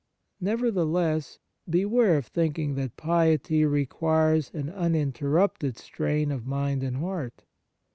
Nevertheless, beware of thinking that piety requires an uninterrupted strain of mind and heart.